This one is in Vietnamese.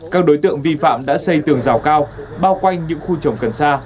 các đối tượng vi phạm đã xây tường rào cao bao quanh những khu trồng cần xa